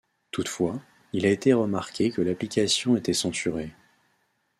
Toutefois, il a été remarqué que l'application était censurée.